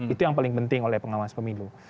itu yang paling penting oleh pengawas pemilu